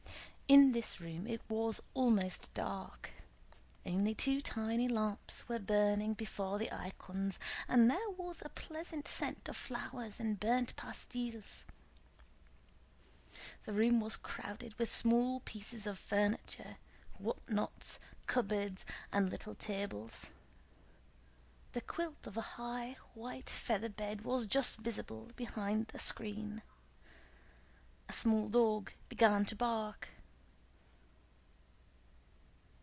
In this room it was almost dark; only two tiny lamps were burning before the icons and there was a pleasant scent of flowers and burnt pastilles. The room was crowded with small pieces of furniture, whatnots, cupboards, and little tables. The quilt of a high, white feather bed was just visible behind a screen. A small dog began to bark.